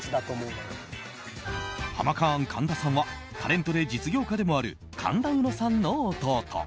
ハマカーン神田さんはタレントで実業家でもある神田うのさんの弟。